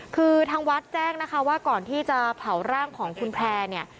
คือทางวัดแจ้งนะคะว่าก่อนที่จะเผาร่างของคุณแพร่เนี่ย